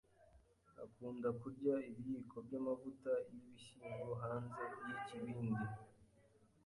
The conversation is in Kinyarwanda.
akunda kurya ibiyiko by'amavuta y'ibishyimbo hanze yikibindi.